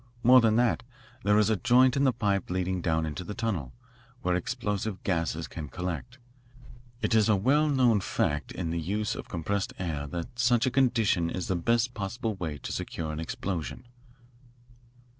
More than that, there is a joint in the pipe leading down into the tunnel, where explosive gases can collect. It is a well known fact in the use of compressed air that such a condition is the best possible way to secure an explosion.